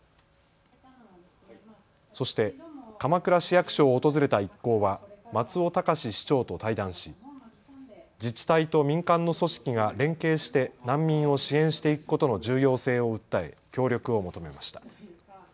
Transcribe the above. そして鎌倉市役所を訪れた一行は松尾崇市長と対談し自治体と民間の組織が連携して難民を支援していくことの重要性を訴え協力を求めました。